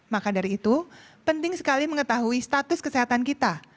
maka dari itu penting sekali mengetahui status kesehatan kita